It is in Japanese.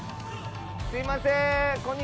すいません！